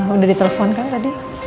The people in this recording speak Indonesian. udah ditelepon kan tadi